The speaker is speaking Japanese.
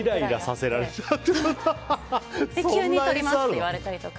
それで急に撮りますって言われたりとか。